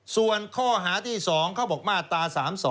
ส่วนข้อหาที่๒เขาบอกมาตรา๓๒